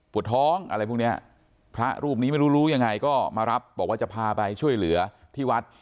ท้องอะไรพวกเนี้ยพระรูปนี้ไม่รู้รู้ยังไงก็มารับบอกว่าจะพาไปช่วยเหลือที่วัด